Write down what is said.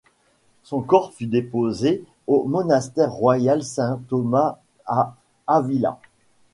Son corps fut déposé au monastère royal saint Thomas à Ávila.